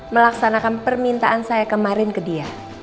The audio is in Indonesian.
melaksanakan permintaan saya kemarin ke dia